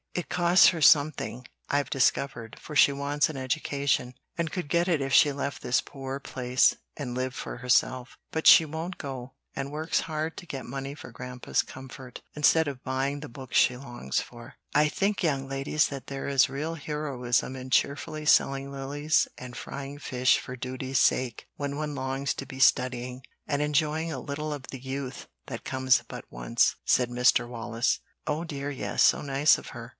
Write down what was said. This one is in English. It costs her something, I've discovered, for she wants an education, and could get it if she left this poor place and lived for herself; but she won't go, and works hard to get money for Grandpa's comfort, instead of buying the books she longs for. I think, young ladies, that there is real heroism in cheerfully selling lilies and frying fish for duty's sake when one longs to be studying, and enjoying a little of the youth that comes but once," said Mr. Wallace. "Oh dear, yes, so nice of her!